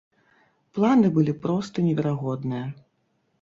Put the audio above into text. Планы былі проста неверагодныя.